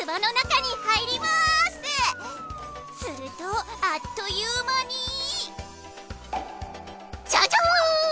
するとあっという間に。